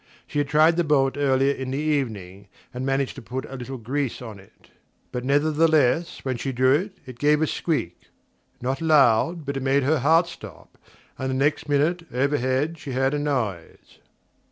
She had tried the bolt earlier in the evening, and managed to put a little grease on it; but nevertheless, when she drew it, it gave a squeak... not loud, but it made her heart stop; and the next minute, overhead, she heard a noise...